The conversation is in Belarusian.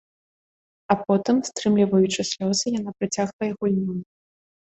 А потым, стрымліваючы слёзы, яна працягвае гульню.